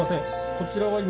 こちらは今？